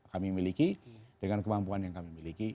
kami miliki dengan kemampuan yang kami miliki